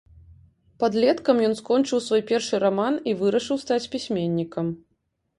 Падлеткам ён скончыў свой першы раман і вырашыў стаць пісьменнікам.